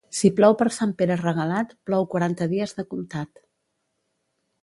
Si plou per Sant Pere Regalat, plou quaranta dies de comptat.